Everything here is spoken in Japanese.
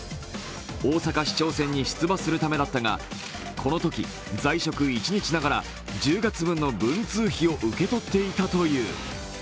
大阪市長選に出馬するためだったが、このとき在職１日ながら１０月分の文通費を受け取っていたという。